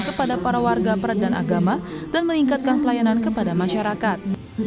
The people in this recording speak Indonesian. kepada para warga peradan agama dan meningkatkan pelayanan kepada masyarakat